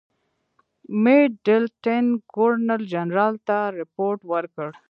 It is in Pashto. میډلټن ګورنرجنرال ته رپوټ ورکړ.